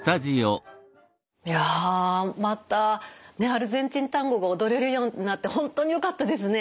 いやまたアルゼンチンタンゴが踊れるようになって本当によかったですね。